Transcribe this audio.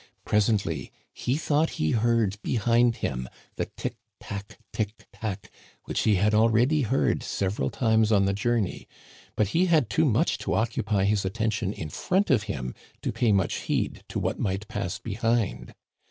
Pres ently he thought he heard behind him the *tic tac,' * tic tac,' which hç had already heard several times on the journey ; but he had too much to occupy his atten tion in front of him to pay much heed to what might pass behind.